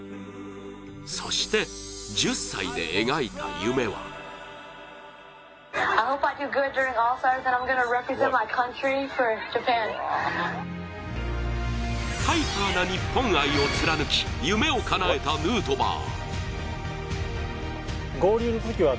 そして、１０歳で描いた夢はハイパーな日本愛を貫き夢をかなえたヌートバー。